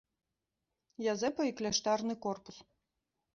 Язэпа і кляштарны корпус.